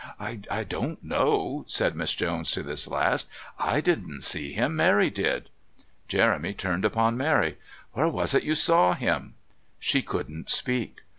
"I don't know," said Miss Jones to this last. "I didn't see him. Mary did." Jeremy turned upon Mary. "Where was it you saw him?" She couldn't speak.